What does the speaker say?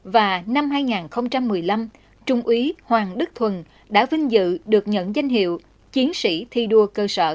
và năm hai nghìn một mươi năm trung úy hoàng đức thuần đã vinh dự được nhận danh hiệu chiến sĩ thi đua cơ sở